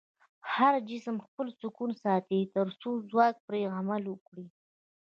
هر جسم خپل سکون ساتي تر څو ځواک پرې عمل وکړي.